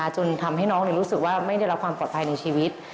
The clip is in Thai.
จนทำให้น้องรู้สึกว่าไม่ได้รับความปลอดภัยในชีวิต